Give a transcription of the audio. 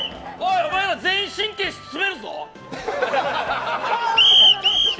お前ら全員神経つねるぞ。